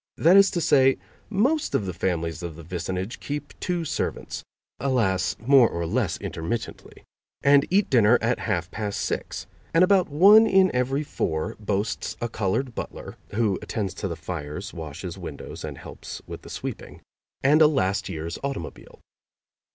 That is to say, most of the families of the vicinage keep two servants (alas, more or less intermittently!), and eat dinner at half past six, and about one in every four boasts a colored butler (who attends to the fires, washes windows and helps with the sweeping), and a last year's automobile.